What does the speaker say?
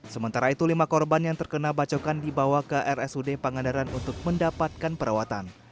sementara itu lima korban yang terkena bacokan dibawa ke rsud pangandaran untuk mendapatkan perawatan